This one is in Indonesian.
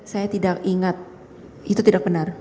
saya tidak ingat itu tidak benar